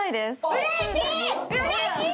うれしい！